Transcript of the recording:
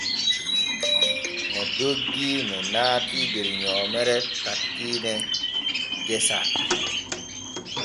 Ne doggi ne naati der nyoomere takkiine gesa.